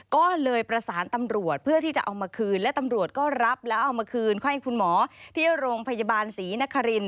ก็เลยประสานตำรวจเพื่อที่จะเอามาคืนและตำรวจก็รับแล้วเอามาคืนค่อยคุณหมอที่โรงพยาบาลศรีนคริน